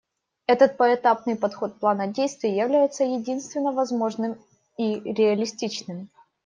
Этот поэтапный подход плана действий является единственно возможным и реалистичным.